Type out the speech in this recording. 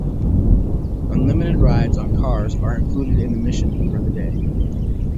Unlimited rides on cars are included in the admission for the day.